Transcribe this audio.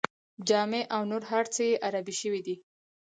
جامې او نور هر څه یې عربي شوي دي.